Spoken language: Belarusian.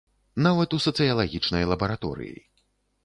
Нават у сацыялагічнай лабараторыі.